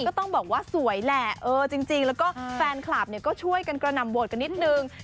ก็ต้องบอกว่าสวยแหละแล้วก็แฟนคลับมันก็ช่วยกันกระนำโวตกันนิดหนึ่ง